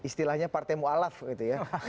istilahnya partai mu'alaf gitu ya